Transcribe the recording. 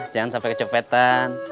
jangan sampai kecepetan